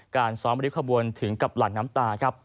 การซ้อมริ้วขบวนถึงกับหลั่งน้ำตาครับ